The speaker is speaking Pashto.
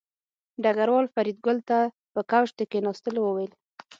ډګروال فریدګل ته په کوچ د کېناستلو وویل